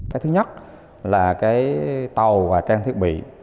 cái thứ nhất là cái tàu và trang thiết bị